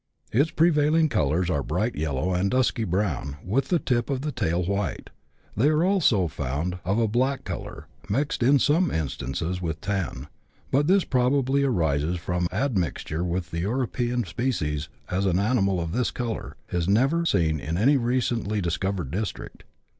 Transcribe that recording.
Its prevail ing colours are bright yellow and dusky brown, with the tip of the tail white : they are also found of a black colour, mixed in some instances with tan, but this probably arises from admixture with the European species, as an animal of this colour is never seen in any recently discovered district.